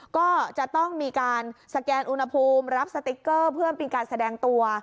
ก็จะต้องมีการสแกนอุณหภูมิรับสติ๊กเกอร์เพื่อเป็นการแสดงตัว